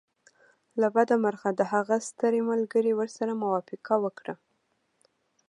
له بده مرغه د هغه ستړي ملګري ورسره موافقه وکړه